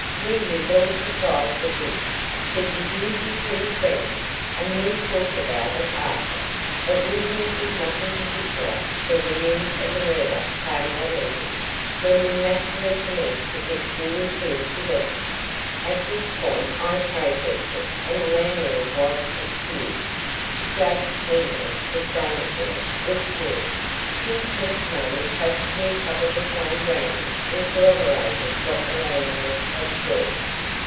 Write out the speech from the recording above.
We was all surprised at this 'cause he's usually pretty friendly, and we talked about it after; but we didn't think nothing particular till the news o' the murder come that evening, when we naturally commenced to put two and two together." At this point I protested and the landlord was excused. "Jake" Henley, the stable boy, was called. His testimony practically covered the same ground and corroborated what the landlord had said.